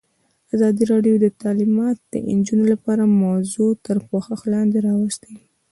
ازادي راډیو د تعلیمات د نجونو لپاره موضوع تر پوښښ لاندې راوستې.